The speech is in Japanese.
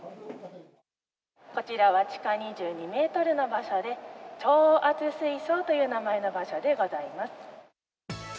こちらは地下２２メートルの場所で、調圧水槽という名前の場所でございます。